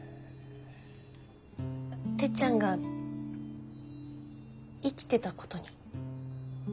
てっちゃんが生きてたことに。